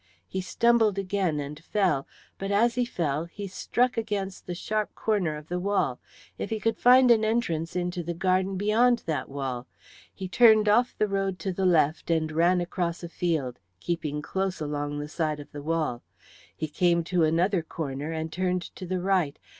He stumbled again and fell, but as he fell he struck against the sharp corner of the wall. If he could find an entrance into the garden beyond that wall! He turned off the road to the left and ran across a field, keeping close along the side of the wall. He came to another corner and turned to the right.